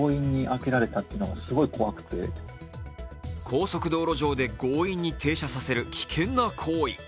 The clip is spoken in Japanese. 高速道路上で強引に停車させる危険な行為。